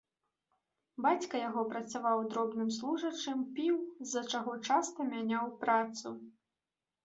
Бацька яго працаваў дробным служачым, піў, з-за чаго часта мяняў працу.